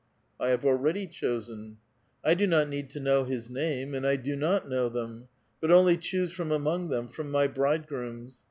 '* I have already chosen." " I do not ueed to kuow his name, and I do not know them. But only choose from among them, fi"om my bridegrooms.